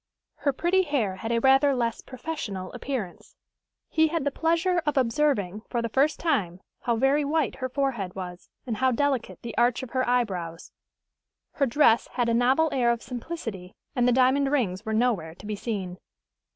Her pretty hair had a rather less "professional" appearance: he had the pleasure of observing, for the first time, how very white her forehead was, and how delicate the arch of her eyebrows; her dress had a novel air of simplicity, and the diamond rings were nowhere to be seen.